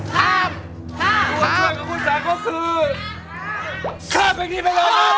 ตัวช่วยของคุณสังก็คือ